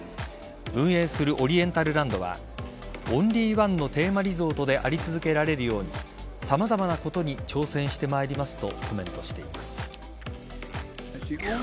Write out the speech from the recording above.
運営するオリエンタルランドはオンリーワンのテーマリゾートであり続けられるように様々なことに挑戦してまいりますとコメントしています。